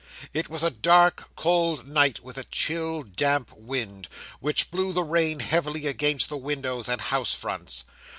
It was a dark, cold night, with a chill, damp wind, which blew the rain heavily against the windows and house fronts.